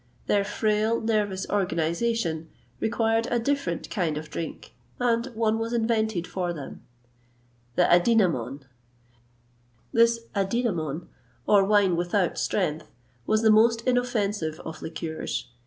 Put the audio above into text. Their frail, nervous organization, required a different kind of drink, and one was invented for them, the Adynamon. This adynamon, or wine without strength, was the most inoffensive of liqueurs.